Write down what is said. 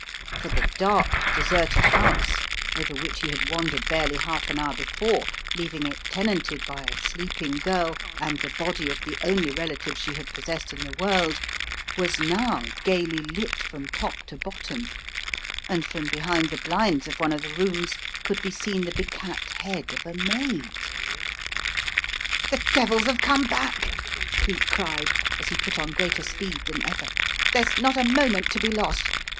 For the dark de serted house over which he had wandered barely half an hour before, leaving it tenanted by a sleeping girl and the body of the only relative she had pos sessed in the world, was now gaily lit from top to bottom and from behind the blinds of one of the rooms could be seen the be capped head of a maid. "The devils have come back!" Cleek cried as he put on greater speed than ever. " There's not a mo ment to be lost.